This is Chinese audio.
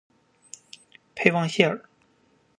佩旺谢尔。